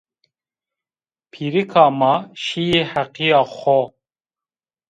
Pîrika ma şîye heqîya xo